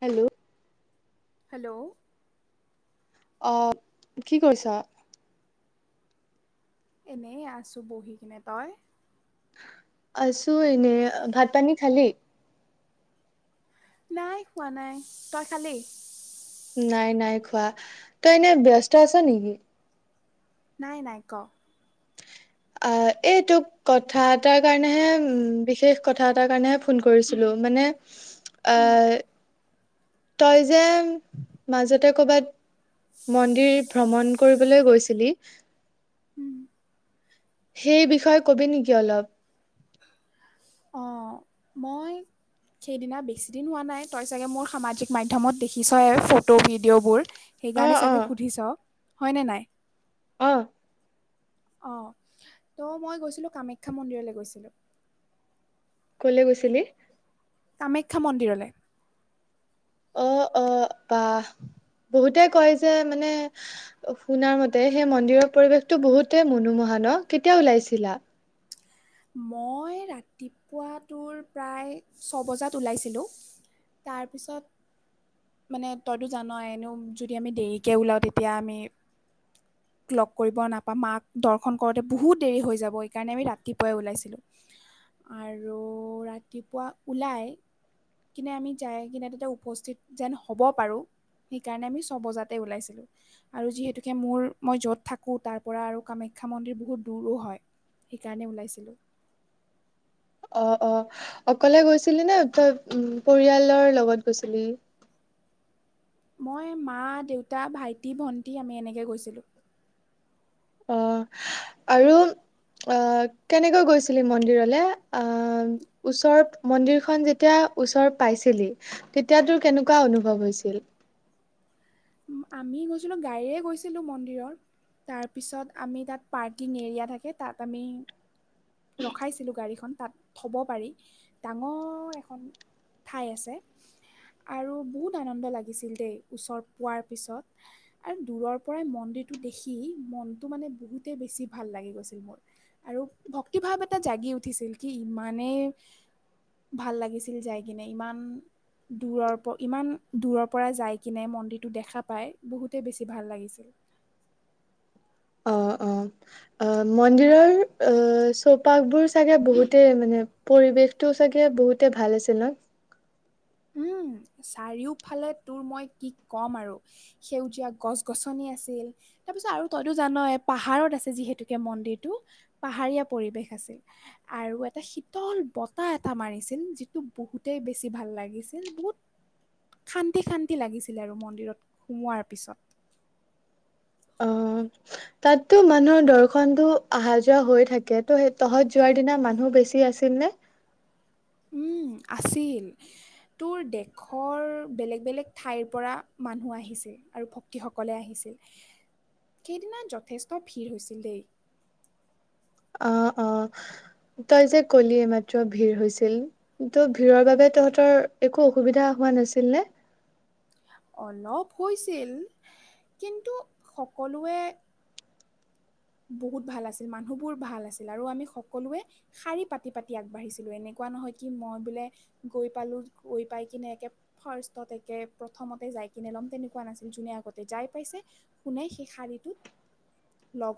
Hello hello অহ কি কৰিছা এনেই আছোঁ বহি কিনে তই আছোঁ এনে ভাত পানী খালি নাই খোৱা নাই তই খালি নাই নাই খোৱা তই এনে ব্যস্ত আছ নেকি। নাই নাই ক অ এই তোক কথা এটাৰ কাৰণেহে উ বিশেষ কথা এটাৰ কাৰণেহে ফোন কৰিছিলো। মানে আ তই যে মাজতে কৰ'বাত মন্দিৰ ভ্ৰমণ কৰিবলৈ গৈছিলি উম, সেই বিষয়ে কবি নেকি অলপ অ মই সেইদিনা বেছিদিন হোৱা নাই তই চাগে মোৰ সামাজিক মাধ্যমত দেখিছয় ফটো, ভিডিঅ'বোৰ। অ সেইকাৰণে অ চাগে সুধিছ হয়নে নাই? অ। অঁ ত' মই গৈছিলোঁ কামাখ্যা মন্দিৰলৈ গৈছিলোঁ। কলে গৈছিলি? কামাখ্যা মন্দিৰলে। অ অ বাহ। বহুতে কয় যে মানে শুনাৰ মতে সেই মন্দিৰৰ পৰিৱেশতো বহুতে মনোমোহা। ন কেতিয়া ওলাইছিলা? মই ৰাতিপুৱা তোৰ প্ৰায় ছ বজাত ওলাইছিলোঁ। তাৰ পিছত। মানে তইটো জানই এনেও যদি আমি দেৰিকে ওলাও তেতিয়া আমি লগ কৰিব নাপাম মাক দৰ্শন কৰোতে বহুত দেৰি হৈ যাব। এইকাৰণে আমি ৰাতি পুৱাই ওলাইছিলোঁ আৰু ৰাতিপুৱা ওলাই কিনে আমি যাই কিনে তোতে উপস্থিত যেন হব পাৰো। সেইকাৰণে আমি ছবজাতে ওলাইছিলো আৰু যিহেতুকে মোৰ মই য'ত থাকো তাৰ পৰা আৰু কামা ক্ষা মন্দিৰ বহুত দূৰো হয়। সেইকাৰণে ওলাইছিলোঁ। অ অ অকলে গৈছিলি নে তই উম পৰিয়ালৰ লগত গৈছিলি? মই, মা, দেউতা, ভাইটি, ভণ্টী আমি এনেকে গৈছিলোঁ। অ আৰু অ কেনেকৈ গৈছিলি মন্দিৰলেমঅ ওচৰত মন্দিৰখন যেতিয়া ওচৰ পাইছিলি তেতিয়া তোৰ কেনেকুৱা অনুভৱ হৈছিল। আমি গৈছিলোঁ গাড়ীয়ে গৈছিলোঁ মন্দিৰৰ। তাৰপিছত আমি তাত পাৰ্কিং এৰিয়া থাকে। তাত আমি ৰখাইছিলো গাড়ীখন তাত থব পাৰি, ডাঙৰ এখন ঠাই আছে আৰু বহুত আনন্দ লাগিছিল দেই, ওচৰ পোৱাৰ পিছত আৰু দূৰৰ পৰাই মন্দিৰটো দেখি মনটো মানে বহুতেই বেছি ভাল লাগি গৈছে ছিল মোৰ আৰু ভক্তি ভাৱ এটা জাগি উঠিছিল কি ইমানেই ভাল লাগিছিল যাই কিনে ইমান দূৰৰ প ইমান দূৰৰ পৰা যাই কিনে মন্দিৰটো দেখা পাই বহুতেই বেছি ভাল লাগিছিল। অ অ। অ মন্দিৰৰ চৌপাশবোৰ চাগে বহুতে মানে পৰিৱেশ টো চাগে বহুতে ভাল আছে ন? উম চাৰিওফালে তোৰ মই কি ক'ম আৰু সেউজীয়া গছ গছনি আছে। ছিল তাৰ পিছত আৰু তইতো জানই পাহাৰত আছে যিহেতুকে মন্দিৰটো। পাহাৰীয়া পৰিৱেশ আছে। আৰু এটা শীতল বতাহ এটা মাৰিছিল যিটো বহুতেই বেছি ভাল লাগিছিল। বহুত [unintelligible] শান্তি শান্তি লাগিছিলে আৰু মন্দিৰত সোমোৱাৰ পিছত। অ। তাততো মানুহৰ দৰ্শনতো অহা যোৱা হৈ থাকে। ত' তহঁত যোৱাৰ দিনা মানুহ বেছি আছিল নে? উম আছিল। তোৰ দেশৰ বেলেগ বেলেগ ঠাইৰ পৰা মানুহ আহিছে আৰু ভক্তিসকলে আহিছে। সেইদিনা যথেষ্ট ভিৰ হৈছিল দেই। অ অ। তই যে কলি এ মাত্ৰ ভিৰ হৈছিল। ত' ভিৰৰ বাবে তহঁতৰ একো অসুবিধা হোৱা হোৱা নাছিল নে? অলপ হৈছিল। কিন্তু সকলোৱে বহুত ভাল আছিল মানুহ বোৰ ভাল আছিল আৰু আমি সকলোৱে শাৰী পাতি পাতি আগবাঢ়িছিলো। এনেকু নহয় কি, মই বোলে গৈ পালো গৈ পাই কিনে একে ফাৰ্ষ্ট একে প্ৰথমতে যাই পিনে লম তেনেকুৱা নাছিল যোনে আগতে যাই পাইছে শুনে সেই শাৰীটো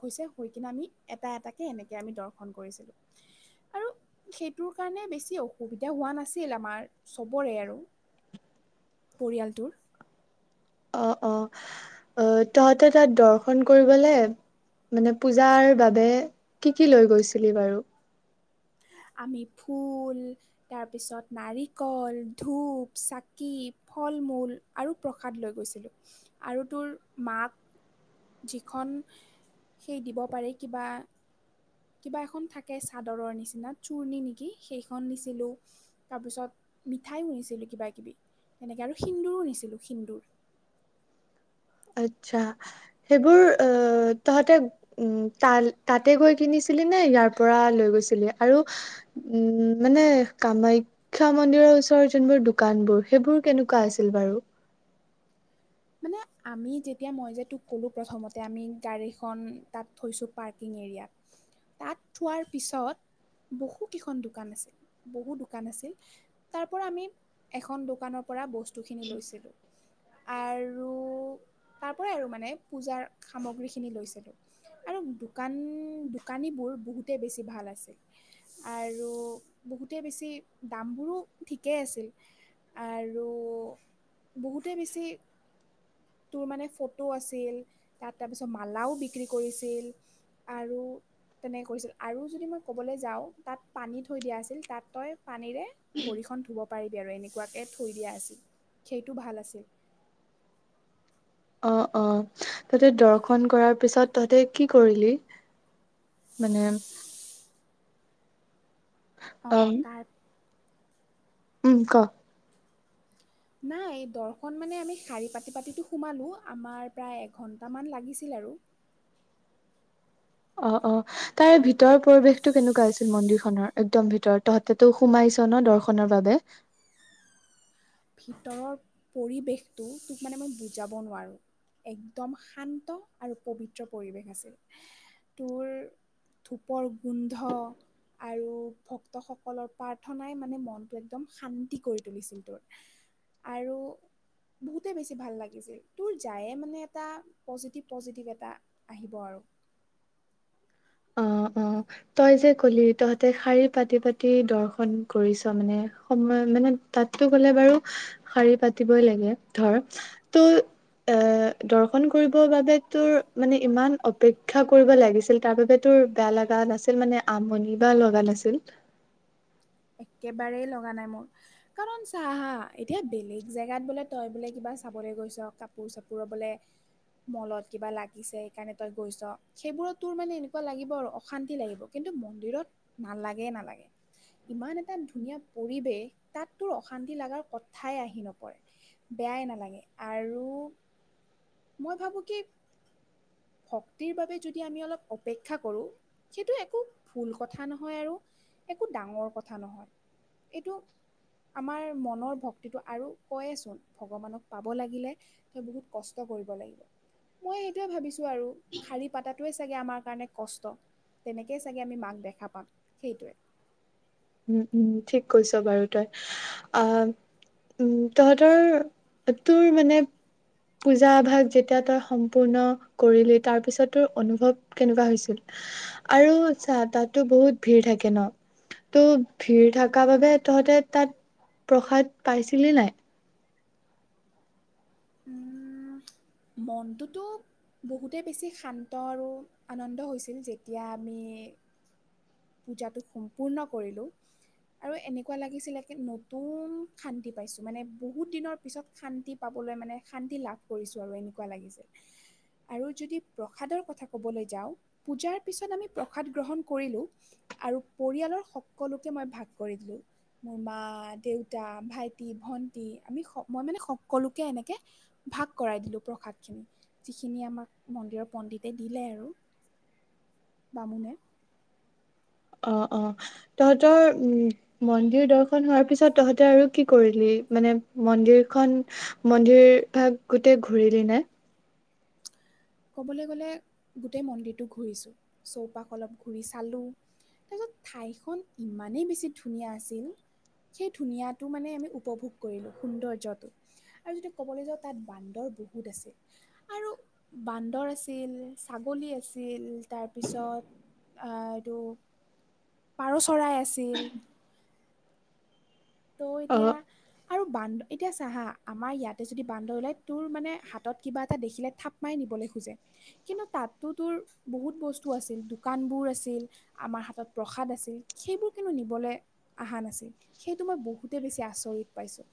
হৈছে হৈ কিনে আমি এটা এটাকে এনেকৈ আমি দৰ্শন কৰিছিলোঁ। আৰু সেইটোৰ কাৰণে বেছি অসুবিধা হোৱা নাছিল আমাৰ চবৰে আৰু। [inaudible] পৰিয়ালটোৰ অ অ অ তহঁতে তাত দৰ্শন কৰিবলে মানে পূজাৰ বাবে কি কি লৈ গৈছিলি বাৰু? আমি ফুল তাৰপিছত নাৰিকল ধূপ চাকি ফল মূল আৰু প্ৰসাদ লৈ গৈছিলোঁ আৰু তোৰ মাক যিখন সেই দিব পাৰি কিবা কিবা এখন থাকে চাদৰৰ নিচিনা চূৰ্ণি নেকি? সেইখন নিছিলোঁ, তাৰপিছত মিঠাইও নিছিলোঁ কিবা কিবি, তেনেকে আৰু সিন্দুৰো নিছিলোঁ সিন্দুৰ। [inaudible] আটচ্চা সেইবোৰ অ তহঁতে উ তাতে গৈ কিনিছি ইয়াৰ পৰা লৈ গৈছিলি আৰু উম মানে কামাখ্যা মন্দিৰৰ ওচৰৰ যোনবোৰ দোকানবোৰ সেইবোৰ কেনেকুৱা আছিল বাৰু? মানে আমি যেতিয়া মই যে তোক ক'লো প্ৰথমতে আমি গাড়ীখন তাত থৈছো পাৰ্কিং এৰীয়াত তাত থোৱাৰ পিছত বহু কেইখন দোকান আছিল বহু দোকান আছিল। তাৰ পৰা আমি এখন দোকানৰ পৰা বস্তুখিনি লৈছিলোঁ আৰু। [inaudible] তাৰ পৰাই আৰু মানে পূজাৰ সামগ্ৰী খিনি লৈছিলো। আৰু দোকান দোকানীবোৰ বহুতে বেছি ভাল আছে। আৰু বহুতেই বেছি দামবোৰো ঠিকেই আছিল। আৰু বহুতেই বেছি তোৰ মানে ফটো আছিল, তাত তাৰপিছত মালাও বিক্ৰী কৰিছিল। আৰু তেনেকে কৰিছিল আৰু যদি মই ক'বলৈ যাওঁ, তাত পানী থৈ দিয়া আছিল তাত তই পানীৰে ভৰি খন ধুব পাৰিবি আৰু এনেকুৱা কে থৈ দিয়া আছিল সেইটো ভাল আছিল। অ অ তহতে দৰ্শন কৰাৰ পিছত তহতে কি কৰিলি? মানে অ অম তাৰ উম ক। নাই দৰ্শন মানে আমি শাৰী পাতি পাতিটো সোমালো, আমাৰ প্ৰায় এঘন্টা মান লাগিছিলে। আৰু। [inaudible] অ অ তাৰে ভিতৰৰ পৰিৱেশতটো কেনেকুৱা আছিল? মন্দিৰ খনৰ একদম ভিতৰত তহতে সোমাই ছ ন দৰ্শনৰ বাবে। ভিতৰৰ পৰিৱেশটো তোক মানে মই বুজাব নোৱাৰোঁ। একদম শান্ত আৰু পবিত্ৰ পৰিৱেশ আছিল। তোৰ ধূপৰ গোন্ধ আৰু ভক্তসকলৰ প্ৰাৰ্থনাই মানে মনটো একদম শান্তি কৰি তুলিছিল তোৰ। আৰু বহুতে বেছি ভাল লাগিছিল। তোৰ যায়ে মানে এটা পজিটিভ পজিটিভ এটা আহিব আৰু। [inaudible] [inaudible] অ অ। তই যে কলি তহঁতে শাৰী পাতি পাতি দৰ্শন কৰিছ মানে সময় মানে তাততো গলে বাৰু শাৰী পাতিবই লাগে ধৰ ত' এ দৰ্শন কৰিবৰ বাবে তোৰ মানে ইমান অপেক্ষা কৰিব লাগিছিল তাৰ বাবে [unintelligible] তোৰ বেয়া লগা নাছিল মানে আমনি বা লগা নাছিল [unintelligible] একেবাৰেই লগা নাই মোৰ কাৰণ চা হা এতিয়া বেলেগ জেগাত বোলে তই বোলে কিবা চাব [unintelligible] চাবলৈ গৈছ কাপোৰ-চাপোৰ ল'বলৈ [unintelligible] মলত কিবা লাগিছে সেইকাৰণে তই গৈছ সেইবোৰত তোৰ মানে এনেকুৱা লাগিব আৰু অশান্তি লাগিব কিন্তু [unintelligible] মন্দিৰত নালাগে নালাগে [unintelligible] ইমান এটা ধুনীয়া পৰিৱেশ তাত তোৰ অশান্তি লগাৰ কথাই আহি নপৰে বেয়াই [unintelligible] নালাগে আৰু মই ভাবোঁ কি ভক্তিৰ বাবে যদি আমি অলপ অপেক্ষা কৰোঁ [unintelligible] সেইটো একো ভুল কথা নহয় আৰু একো ডাঙৰ কথা নহয় এইটো আমাৰ মনৰ ভক্তিটো আৰু কয়চোন ভগৱানক পাব লাগিলে ত বহুত কষ্ট [unintelligible] মই সেইটোৱেই ভাবিছো আৰু শাৰী পতাটোৱেই চাগে আমাৰ কাৰণে কষ্ট। তেনেকেই চাগে আমি মাক দেখা পাম সেইটোৱেই। উম উম ঠিক কৈছ বাৰু তই। আহ উম তহঁতৰ তোৰ মানে পূজা আভাস যেতিয়া তই সম্পূৰ্ণ কৰিলি তাৰ পিছত তোৰ অনুভৱ কেনেকুৱা হৈছিল? আৰু আচ্ছা তাতো বহুত ভিৰ থাকে ন [unintelligible] ত' ভিৰ থকা বাবে তহঁতে তাত প্ৰসাদ পাইছিলি নাই? [inaudible] মনটোতো বহুতে বেছি শান্ত আৰু আনন্দ হৈছিল যেতিয়া আমি [unintelligible] [unintelligible] পূজাটো সম্পূৰ্ণ কৰিলোঁ [unintelligible] আৰু এনেকুৱা লাগিছিলে কি নতুন শান্তি পাইছো মানে বহুত দিনৰ পিছত শান্তি পাব [unintelligible] [unintelligible] মানে শান্তি লাভ কৰিছোঁ আৰু এনেকুৱা লাগিছে [unintelligible] আৰু যদি প্ৰসাদৰ কথা কবলৈ যাওঁ পূজাৰ পিছত আমি প্ৰসাদ গ্ৰহণ কৰিলো [unintelligible] আৰু পৰিয়ালৰ সকলোকে মই ভাগ কৰি দিলো মোৰ মা, দেউতা, ভাইটি, ভন্টি আমি মই মানে সকলোকে এনেকে ভাগ কৰাই দিলোঁ প্ৰসাদখিনি যিখিনি আমাক মন্দিৰৰ পণ্ডিতে দিলে আৰু বামুণে অ অ তহঁতৰ উম মন্দিৰ দৰ্শন হোৱাৰ পিছত তহঁতে আৰু কি কৰিলি মানে মন্দিৰখন মন্দিৰ ভাগ গোটেই ঘূৰিলি নাই ক'বলৈ গ'লে গোটেই মন্দিৰটো ঘূৰিছোঁ চৌপাশ অলপ ঘূৰি চালোঁ তাৰপিছত ঠাইখন ইমানেই বেছি ধুনীয়া আছিল সেই ধুনীয়াটো মানে আমি উপভোগ কৰিলো সৌন্দৰ্যটো আৰু যদি ক'বলৈ যাওঁ তাত বান্দৰ বহুত আছিল আৰু বান্দৰ আছিল, ছাগলী আছিল তাৰপিছত আহ এইটো পাৰ চৰাই আছিল তো এতিয়া অ' আৰু বান্দৰ এতিয়া চা হা আমাৰ ইয়াতে যদি বান্দৰ ওলাই তোৰ মানে হাতত কিবা এটা দেখিলে থাপ মাই নিব খোজে কিন্তু তাতো তোৰ বহুত বস্তু আছিল দোকানবোৰ আছিল আমাৰ হাতত প্ৰসাদ আছিল সেইবোৰ কিন্তু নিবলৈ অহা নাছিল সেইটো মই বহুতেই বেছি আচৰিত পাইছোঁ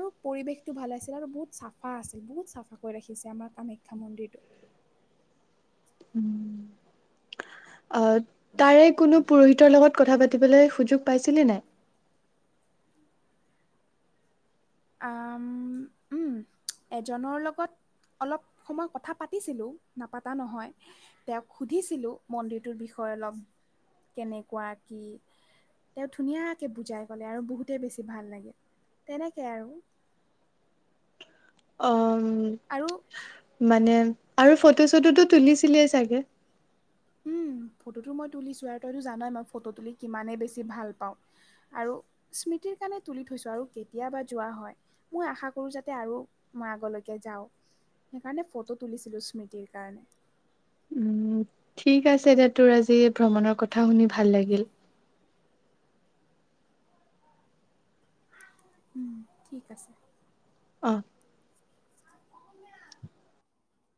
আৰু পৰিৱেশটো ভাল আছিল আৰু বহুত চাফা আছিল বহুত চাফা কৈ ৰাখিছে আমাৰ কামাখ্যা মন্দিৰটো। [inaudible] তাৰে কোনো পুৰোহিতৰ লগত কথা পাতিবলৈ সুযোগ পাইছিলি নাই আহ উম এজনৰ লগত অলপ সময় কথা পাতিছিলো নাপাতা নহয় তেওঁক সুধিছিলো মন্দিৰটোৰ বিষয়ে বিষয়ে অলপ কেনেকুৱা কি তেওঁ ধুনীয়াকে বুজাই কলে আৰু বহুতে বেছি ভাল লাগে তেনেকে তেনেকে আৰু অ আৰু মানে আৰু ফটো চটোটো তুলিছিলেই চাগে ফটো মই তুলিছো আৰু তইতো জানয় মই ফটো তুলি কিমানেই বেছি ভাল পাওঁ আৰু কাৰণে তুলি থৈছো আৰু কেতিয়াবা যোৱা হয় মই আশা কৰো যাতে আৰু মই আগলৈকে যাও। সেইকাৰণে ফটো তুলিছিলো স্মৃতিৰ কাৰণে। উম ঠিক আছে দে তোৰ আজি ভ্ৰমণৰ কথা শুনি ভাল লাগিল। ঠিক আছে অ